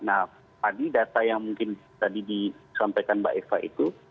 nah tadi data yang mungkin tadi disampaikan mbak eva itu